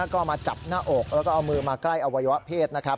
ก็มาจับหน้าอกแล้วก็เอามือมาใกล้อวัยวะเพศนะครับ